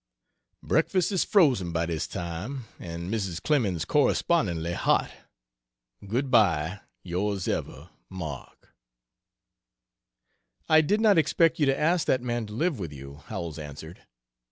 Breakfast is frozen by this time, and Mrs. Clemens correspondingly hot. Good bye. Yrs ever, MARK. "I did not expect you to ask that man to live with you," Howells answered.